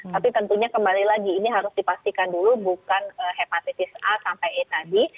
tapi tentunya kembali lagi ini harus dipastikan dulu bukan hepatitis a sampai e tadi